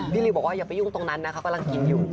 ริวบอกว่าอย่าไปยุ่งตรงนั้นนะคะกำลังกินอยู่